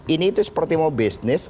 ini itu seperti mau bisnis